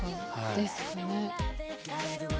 ですかね。